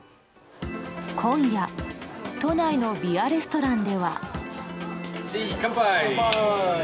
今夜都内のビアレストランでは。